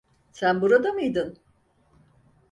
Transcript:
Sen burada mıydın?